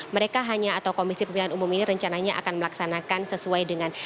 mereka hanya atau komisi pemilihan umum ini rencananya akan melaksanakan sesuai dengan